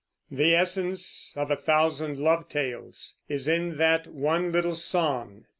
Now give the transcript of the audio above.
The "essence of a thousand love tales" is in that one little song.